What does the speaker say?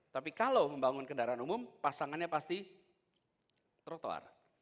tapi kalau membangun kendaraan umum pasangannya pasti trotoar